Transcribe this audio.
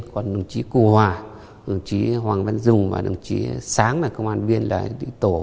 còn đồng chí cô hòa đồng chí hoàng văn dùng và đồng chí sáng là công an viên là đi tổ